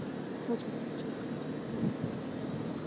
ازادي راډیو د سوداګریز تړونونه په اړه د محلي خلکو غږ خپور کړی.